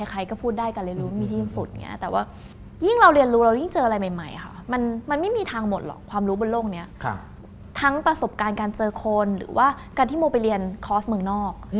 ใครก็พูดได้การเรียนรู้มันมีที่สุด